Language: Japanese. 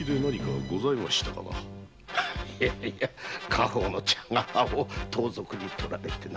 いや家宝の茶釜を盗賊に盗られてな。